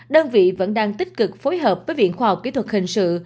đơn vị vẫn đang tích cực phối hợp với viện khoa học kỹ thuật hình sự